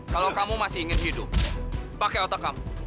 kalau kamu masih ingin hidup pakai otak kamu